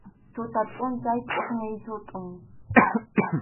Tuta pʼunchaw chʼuqñin sutʼun.